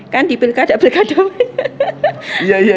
kan di pilkada berkata kata